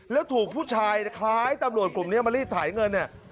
และถูกผู้ชายขายตำรวจกลุ่มนี้มาลีส์ส่ายเงินนี่